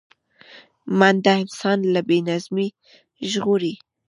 منډه انسان له بې نظمۍ ژغوري